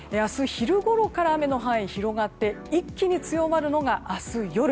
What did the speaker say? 昼ごろから雨の範囲が広がって一気に強まるのが明日夜。